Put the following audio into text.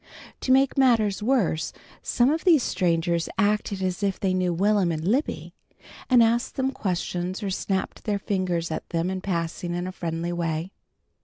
To make matters worse some of these strangers acted as if they knew Will'm and Libby, and asked them questions or snapped their fingers at them in passing in a friendly way.